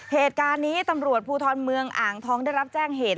เหตุการณ์นี้ตำรวจภูทรเมืองอ่างทองได้รับแจ้งเหตุ